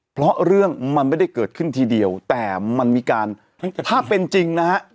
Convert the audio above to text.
เพราะเรื่องมันไม่ได้เกิดขึ้นทีเดียวแต่มันมีการถ้าเป็นจริงนะฮะ